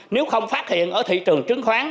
nếu không phát hiện ở thị trường chứng khoán